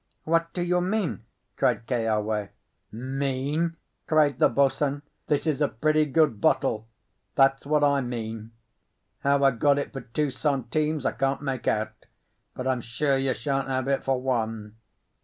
"What do you mean?" cried Keawe. "Mean?" cried the boatswain. "This is a pretty good bottle, this is; that's what I mean. How I got it for two centimes I can't make out; but I'm sure you shan't have it for one."